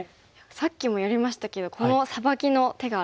さっきもやりましたけどこのサバキの手があるんですね。